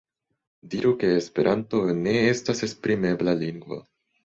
Diru ke esperanto ne estas esprimebla lingvo.